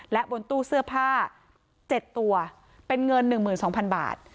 และบนตู้เสื้อผ้า๗ตัวเป็นเงิน๑๒๐๐๐บาท